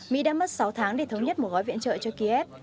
mỹ đã mất sáu tháng để thống nhất một gói viện trợ cho kiev